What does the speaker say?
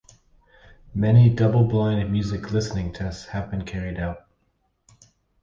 Many double-blind music listening tests have been carried out.